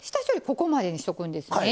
ここまでにしとくんですね。